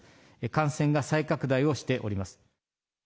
感染が再拡大をしております。